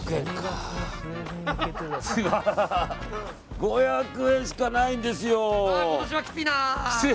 ５００円しかないんですよ。